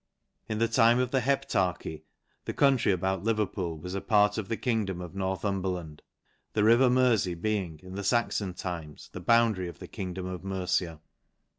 In th< time of the heptarchy, the country about Leverpoo was a part of the kingdom of Northumberland \ th< river Merfey being, in the Saxon times, the boun dary of the kingdom of Mercia.